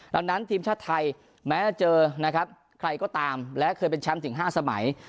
ดังนั้นทีมชาติไทยแม้จะเจอนะครับใครก็ตามและเคยเป็นแชมป์ถึง๕สมัย